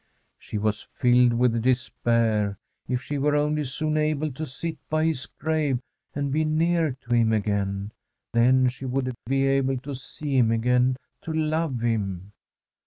She was filled with despair. If she were only soon able to sit by his grave and be near to him again, then she would be able to see him again, to love him.